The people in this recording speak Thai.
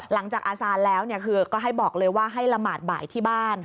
หลังจากอาสานแล้วก็ให้บอกเลยว่าให้ละหมาดบ่ายที่บ้าน